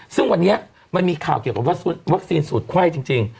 ซึ่งวันนี้มันมีข่าวเกี่ยวกับวัคซีนสูตรไข้จริง